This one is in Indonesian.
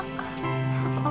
kasihan pak wicak